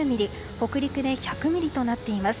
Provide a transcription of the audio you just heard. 北陸で１００ミリとなっています。